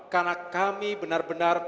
karena kami benar benar